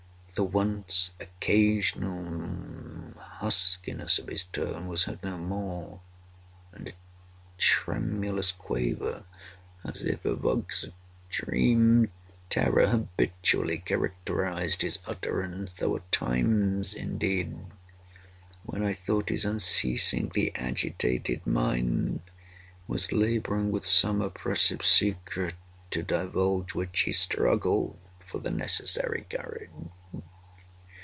The once occasional huskiness of his tone was heard no more; and a tremulous quaver, as if of extreme terror, habitually characterized his utterance. There were times, indeed, when I thought his unceasingly agitated mind was laboring with some oppressive secret, to divulge which he struggled for the necessary courage.